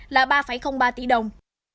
là ba ba tỷ đồng